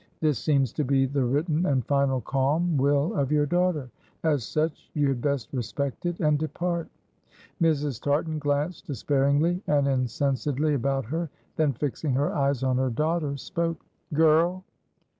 This seems to be the written and final calm will of your daughter. As such, you had best respect it, and depart." Mrs. Tartan glanced despairingly and incensedly about her; then fixing her eyes on her daughter, spoke. "Girl!